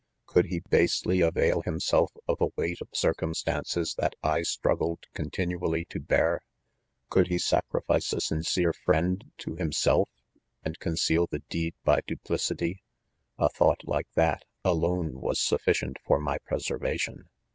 * Could he basely avail himself of a weight of circumstances that I struggled continually to heart Could he sacrifice a sincere friend to himself, and conceal the deed by duplicity 1 A thought like that, alone was sufficient for my preservation.